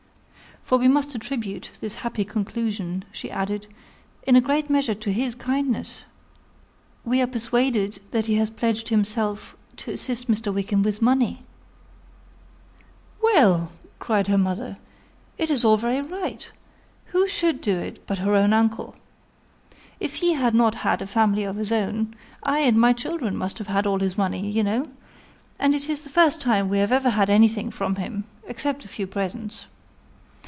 "For we must attribute this happy conclusion," she added, "in a great measure to his kindness. We are persuaded that he has pledged himself to assist Mr. Wickham with money." "Well," cried her mother, "it is all very right; who should do it but her own uncle? If he had not had a family of his own, I and my children must have had all his money, you know; and it is the first time we have ever had anything from him except a few presents.